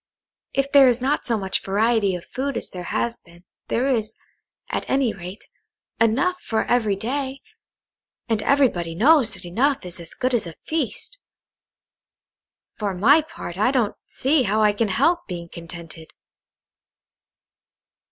If there is not so much variety of food as there has been, there is, at any rate, enough for every day, and everybody knows that enough is as good as a feast. For my part, I don't see how I can help being contented."